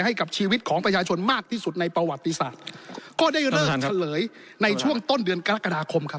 ให้กับชีวิตของประชาชนมากที่สุดในประวัติศาสตร์ตอนเดือนกรกฎาคมครับ